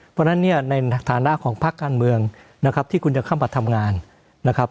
เพราะฉะนั้นเนี่ยในฐานะของพักการเมืองนะครับที่คุณจะเข้ามาทำงานนะครับ